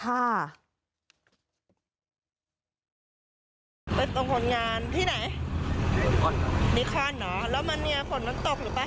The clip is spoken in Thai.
หักหลบก็เลยลง